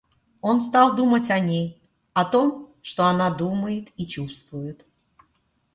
Он стал думать о ней, о том, что она думает и чувствует.